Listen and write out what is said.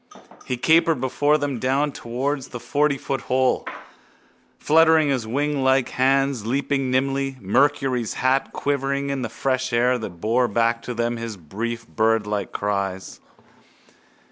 _ He capered before them down towards the fortyfoot hole, fluttering his winglike hands, leaping nimbly, Mercury's hat quivering in the fresh wind that bore back to them his brief birdsweet cries.